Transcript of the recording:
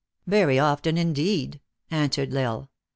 " Yery often, indeed," answered L Isle.